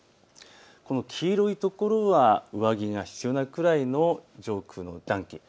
この黄色い所は上着が必要なくらいの上空の暖気。